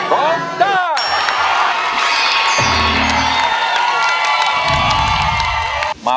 แก้มขอมาสู้เพื่อกล่องเสียงให้กับคุณพ่อใหม่นะครับ